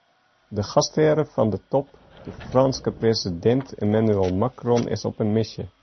De gasthear fan de top, de Frânske presidint Emmanuel Macron, is op in misje.